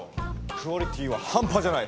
クオリティーは半端じゃない。